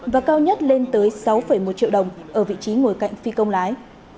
và cao nhất lên tới sáu một triệu đồng ở vị trí ngồi cạnh phi công lái